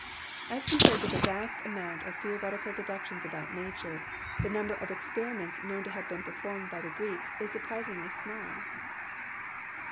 As compared with the vast amount of theoretical deduction about nature, trie number of experi ments known to have been performed by the Greeks is surprisingly small.